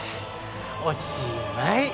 おしまい。